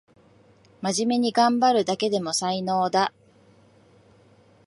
まじめにがんばるだけでも才能だ